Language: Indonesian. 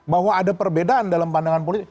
bahwa ada perbedaan dalam pandangan politik